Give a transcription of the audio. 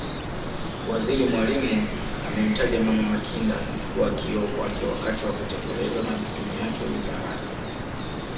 Waziri Mwalimu amemtaja Mama Makinda kuwa kioo kwake wakati wa kutekeleza majukumu yake Wizarani